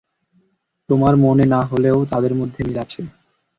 তোমার মনে না হলেও, তাদের মধ্যে মিল আছে।